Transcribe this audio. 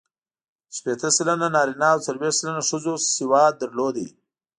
شپېته سلنه نارینه او څلوېښت سلنه ښځو سواد درلود.